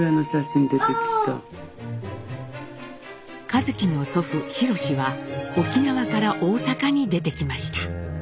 一輝の祖父廣は沖縄から大阪に出てきました。